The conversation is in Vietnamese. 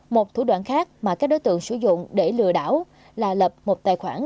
một thủ đoạn khác mà các đối tượng sử dụng để lừa đảo là lập một tài khoản